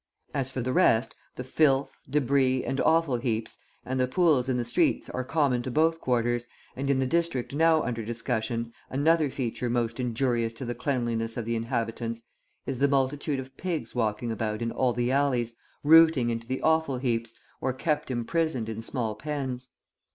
As for the rest, the filth, debris, and offal heaps, and the pools in the streets are common to both quarters, and in the district now under discussion, another feature most injurious to the cleanliness of the inhabitants, is the multitude of pigs walking about in all the alleys, rooting into the offal heaps, or kept imprisoned in small pens.